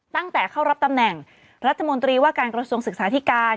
ตั้งแต่เข้ารับตำแหน่งรัฐมนตรีว่าการกระทรวงศึกษาธิการ